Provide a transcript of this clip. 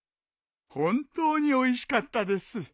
本当においしかったです。